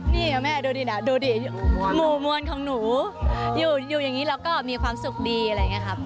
นี่แม่ดูดินะดูดิหมู่มวลของหนูอยู่อย่างนี้แล้วก็มีความสุขดีอะไรอย่างนี้ครับ